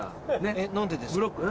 えっ何でですか？